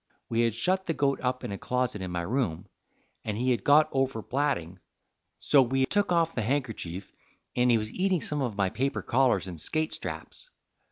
We had shut the goat up in a closet in my room, and he had got over blatting; so we took off the handkerchief and he was eating some of my paper collars and skate straps.